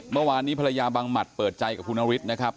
เมื่อวานนี้ภรรยาบังหมัดเปิดใจกับคุณนฤทธิ์นะครับ